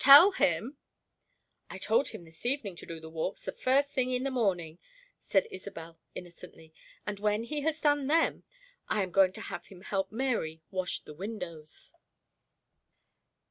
Tell him " "I told him this evening to do the walks the first thing in the morning," said Isobel innocently, "and when he has done them I am going to have him help Mary wash the windows."